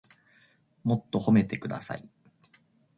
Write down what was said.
もっと褒めてください